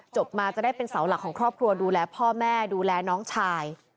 มาจะได้เป็นเสาหลักของครอบครัวดูแลพ่อแม่ดูแลน้องชาย